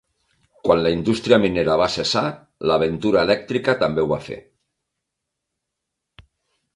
Quan la indústria minera va cessar, "l'aventura elèctrica" també ho va fer.